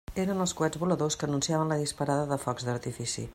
Eren els coets voladors que anunciaven la disparada de focs d'artifici.